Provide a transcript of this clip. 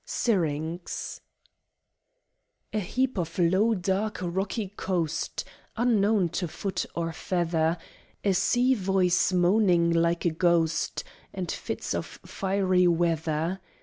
Syrinx A heap of low, dark, rocky coast, Unknown to foot or feather! A sea voice moaning like a ghost; And fits of fiery weather!